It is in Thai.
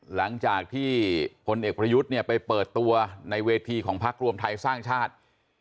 หลังจากที่พลเอกประยุทธ์เนี่ยไปเปิดตัวในเวทีของพักรวมไทยสร้างชาติ